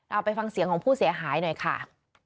เอาไปฟังเสียงของผู้เสียหายหน่อยค่ะ